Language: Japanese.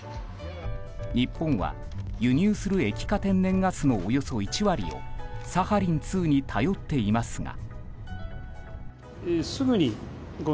日本は輸入する液化天然ガスのおよそ１割をサハリン２に頼っていますが。